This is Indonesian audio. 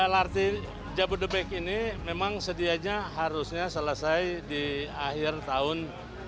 lrt jabodebek ini memang sedianya harusnya selesai di akhir tahun dua ribu dua puluh satu